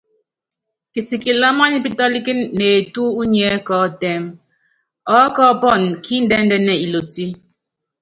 Kisikili ɔmɔ́nipítɔ́líkíni neetú unyiɛ́ kɔ́ɔtɛ́m, ɔɔ́kɔɔ́pɔnɔ kíndɛ́nɛ ilotí.